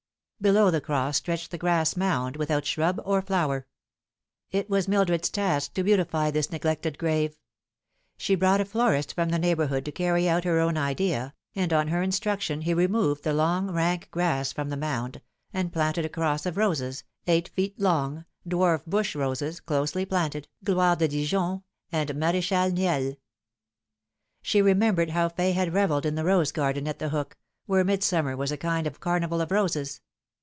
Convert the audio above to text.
Below the cross stretched the grass mound, without shrub or flower. It was Mildred's task to beautify this neglected grave. She brought a florist from the neighbourhood to carry out her own idea, and on her instruction he removed the long, rank grass from the mound, and planted a cross of roses, eight feet long, dwarf bush roses closely planted, Gloire de Dijon and Mar^chal Niel. She remembered how Fay had revelled in the rose garden at The Hook, where midsummer was a kind of carnival of roses.